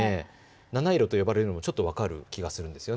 七色と呼ばれるのもちょっと分かる気がします。